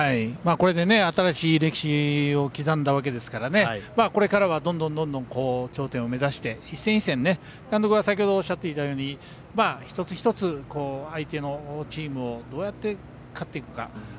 これで新しい歴史を刻んだわけですからこれからは、どんどん頂点を目指して一戦一戦、監督が先ほどおっしゃっていたように一つ一つ、相手のチームをどうやって勝っていくか。